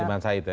ziman said ya